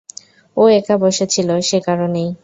ও একা বসে ছিল, সেকারণেই।